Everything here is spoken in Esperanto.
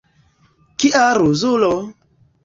Kia ruzulo!